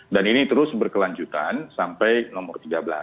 dan ini terus berkelanjutan sampai nomor tiga belas